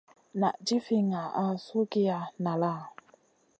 Nan jifi ŋah suhgiya nala ?